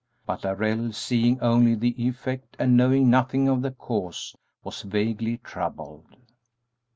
But Darrell, seeing only the effect and knowing nothing of the cause, was vaguely troubled.